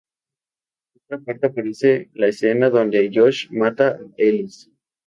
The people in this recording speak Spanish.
Por otra parte aparece la escena donde Josh mata a Elise.